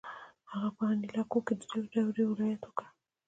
هغه په انیلاکو کې درې دورې ولایت وکړ.